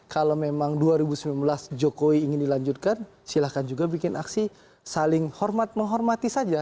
kalau memang dua ribu sembilan belas jokowi ingin dilanjutkan silahkan juga bikin aksi saling hormat menghormati saja